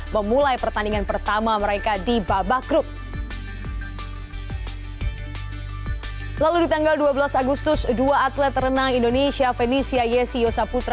memulai pertandingan pertamu